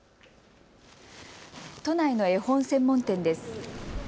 都内の絵本専門店です。